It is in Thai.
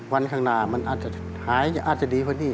วันข้างหน้ามันอาจจะหายอาจจะดีกว่านี้